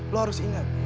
lo harus ingat